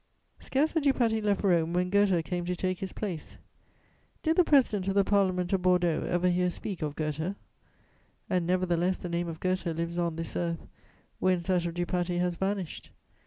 ] Scarce had Dupaty left Rome when Goethe came to take his place. Did the president of the Parliament of Bordeaux ever hear speak of Goethe? And nevertheless the name of Goethe lives on this earth whence that of Dupaty has vanished.